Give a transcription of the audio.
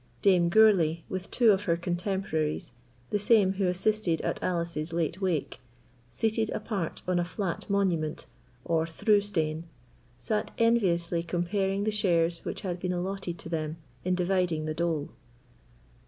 Dame Gourlay, with two of her contemporaries, the same who assisted at Alice's late wake, seated apart upon a flat monument, or through stane, sate enviously comparing the shares which had been allotted to them in dividing the dole.